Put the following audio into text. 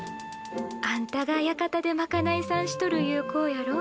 あんたが屋形でまかないさんしとるゆう子やろ？